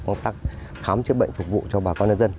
công tác thăm chức bệnh phục vụ cho bà con nhân dân